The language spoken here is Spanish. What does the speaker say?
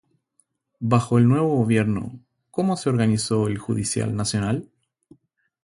¿Bajo el nuevo gobierno cómo se organizó el judicial nacional?